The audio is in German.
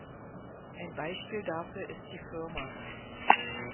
Ein Beispiel dafür ist die Fa.